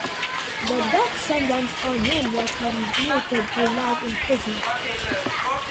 The death sentence on him was commuted to life imprisonment.